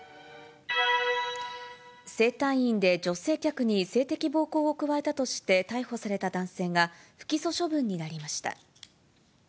整体院で女性客に性的暴行を加えたとして逮捕された男性が、不起訴処分になりました。